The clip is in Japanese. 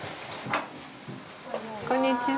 こんにちは。